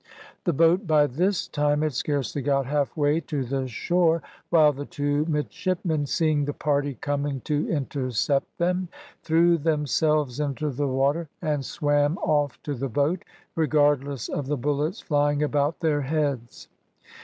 The boat by this time had scarcely got half way to the shore, while the two midshipmen, seeing the party coming to intercept them, threw themselves into the water and swam off to the boat, regardless of the bullets flying about their heads.